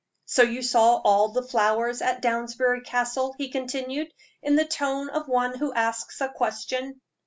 "So you saw all the flowers at Downsbury Castle?" he continued, in the tone of one who asks a question.